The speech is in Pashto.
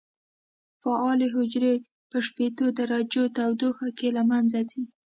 فعالې حجرې په شپېتو درجو تودوخه کې له منځه ځي.